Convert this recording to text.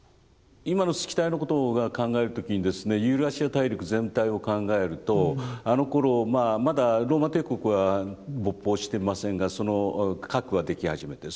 今のスキタイのことを考える時にですねユーラシア大陸全体を考えるとあのころまあまだローマ帝国は勃興してませんがその核は出来始めてる。